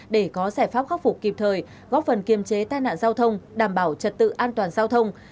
để có giải pháp khắc phục kịp thời góp phần kiềm chế tai nạn giao thông đảm bảo trật tự an toàn giao thông